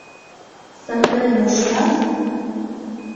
Сардайым ужынат?